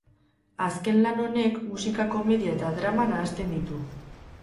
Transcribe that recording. Azken lan honek musika, komedia eta drama nahasten ditu.